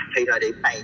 thì thời điểm này